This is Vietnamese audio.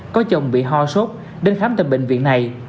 có chồng bị ho sốt đến khám tại bệnh viện này